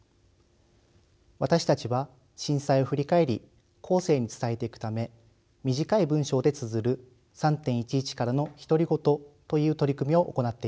私たちは震災を振り返り後世に伝えていくため短い文章でつづる「３．１１からの独り言」という取り組みを行っています。